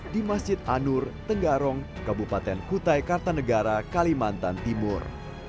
di masjid anur tenggarong kabupaten kutai kartanegara kalimantan timur